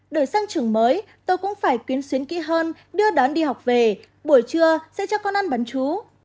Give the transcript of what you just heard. để sang trường mới tôi cũng phải quyến xuyến kỹ hơn đưa đón đi học về buổi trưa sẽ cho con ăn bán chú